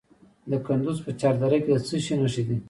د کندز په چهار دره کې د څه شي نښې دي؟